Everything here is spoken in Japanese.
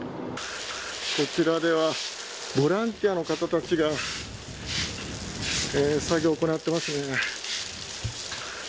こちらでは、ボランティアの方たちが作業を行ってますね。